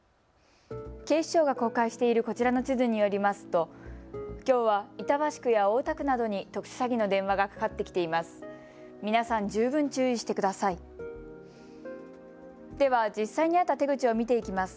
警視庁が公開しているこちらの地図によりますときょうは板橋区や大田区などに特殊詐欺の電話がかかってきています。